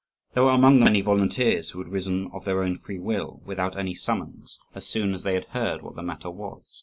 There were among them many volunteers, who had risen of their own free will, without any summons, as soon as they had heard what the matter was.